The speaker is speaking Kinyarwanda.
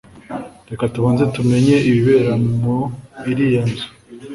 Reka tubanze tumenye ibibera mu iriya nzu.